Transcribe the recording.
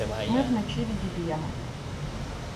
Ми вночі відіб'ємо.